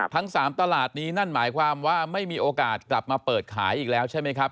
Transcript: ทั้ง๓ตลาดนีหรือไม่มีโอกาสกลับมาเปิดขายอีกแล้วใช่ไหมครับ